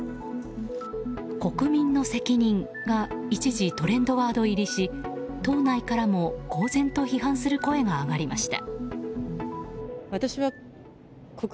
国民の責任が一時トレンドワード入りし党内からも公然と批判する声が上がりました。